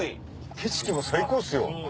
景色も最高ですよ。